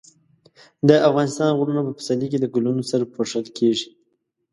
د افغانستان غرونه په پسرلي کې د ګلونو سره پوښل کېږي.